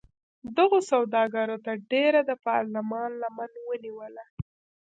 دغو سوداګرو تر ډېره د پارلمان لمن ونیوله.